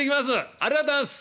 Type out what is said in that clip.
ありがとうございます！